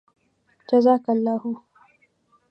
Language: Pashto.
جزاك اللهُ